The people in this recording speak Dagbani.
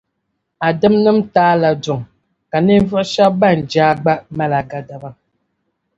a dimnim’ taala duŋ, ka ninvuɣ’ shɛb’ bɛn je a gba mali a gadama.